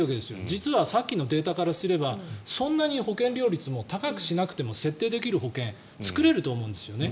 実はさっきのデータからすればそんなに保険料率を高くしなくても設定できる保険作れると思うんですね。